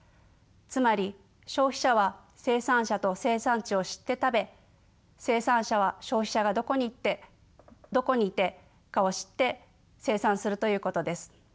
つまり消費者は生産者と生産地を知って食べ生産者は消費者がどこにいるかを知って生産するということです。